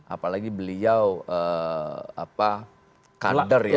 apalagi beliau kader ya